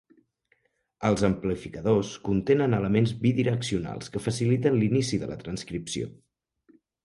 Els amplificadors contenen elements bidireccionals que faciliten l'inici de la transcripció.